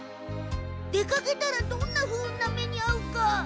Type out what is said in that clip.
出かけたらどんな不運な目にあうか。